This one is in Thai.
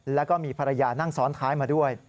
แล้วก็มีภรรยานั่งซ้อนท้ายมาด้วย